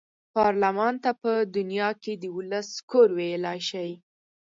پارلمان ته په دنیا کې د ولس کور ویلای شي.